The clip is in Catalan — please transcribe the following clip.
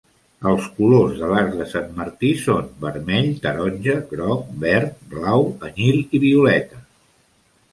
Els colors de l'arc de Sant Martí són vermell, taronja, groc, verd, blau, anyil i violeta.